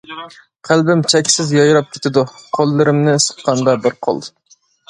قەلبىم چەكسىز يايراپ كېتىدۇ، قوللىرىمنى سىققاندا بىر قول.